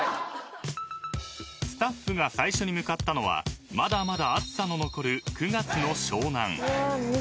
［スタッフが最初に向かったのはまだまだ暑さの残る９月の湘南］